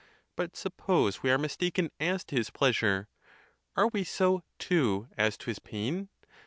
But suppose we are mistaken as to his pleasure; are we so, too, as to his pain?